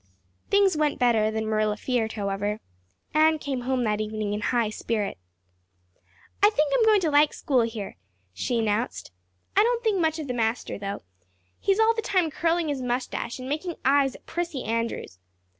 Things went better than Marilla feared, however. Anne came home that evening in high spirits. "I think I'm going to like school here," she announced. "I don't think much of the master, through. He's all the time curling his mustache and making eyes at Prissy Andrews.